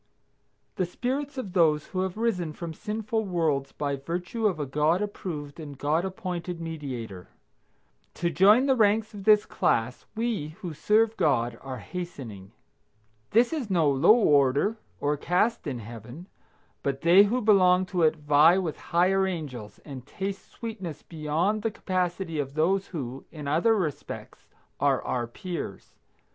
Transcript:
The spirits of those who have risen from sinful worlds by virtue of a God approved and God appointed Mediator. To join the ranks of this class we, who serve God, are hastening. This is no low order or caste in Heaven, but they who belong to it vie with higher angels, and taste sweetness beyond the capacity of those who, in other respects, are our peers.